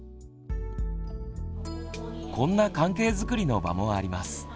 こんな関係づくりの場もあります。